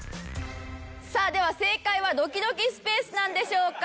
さあでは正解はドキドキスペースなんでしょうか。